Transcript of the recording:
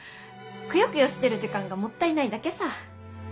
くよくよしてる時間がもったいないだけさ。